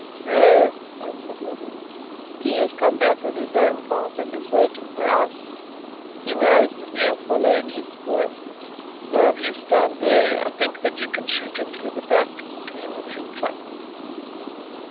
"No," answered Nahoon, "he has come back on his own path and is waiting for us. He knows that we are following his spoor. Now if you stand there, I think that you can shoot him through the back between the tree trunks."